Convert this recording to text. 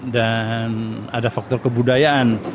dan ada faktor kebudayaan